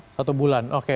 satu bulan oke